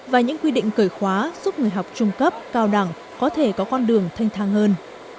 và những quy định cởi khóa giúp người học trung cấp cao đẳng có thể có con đường thanh thang hơn